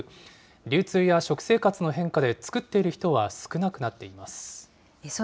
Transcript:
流通や食生活の変化で、作っている人は少なくなっています。